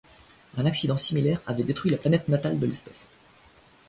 Un accident similaire avait détruit la planète natale de l'espèce.